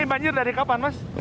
ini banjir dari kapan mas